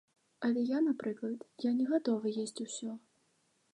Але я, напрыклад, я не гатовы есць усё.